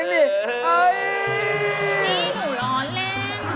พี่หนูหลอดเล่น